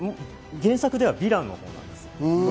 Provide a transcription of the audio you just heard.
原作ではヴィランのほうです。